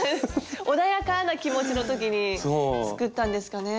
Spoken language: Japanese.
穏やかな気持ちの時に作ったんですかね。